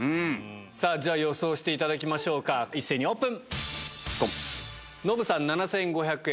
じゃ予想していただきましょうか一斉にオープン！